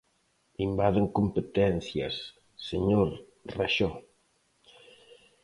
Invaden competencias, señor Raxó.